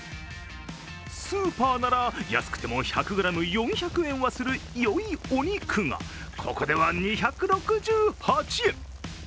スーパーなら安くても１００ｇ４００円はするよいお肉がここでは２６８円。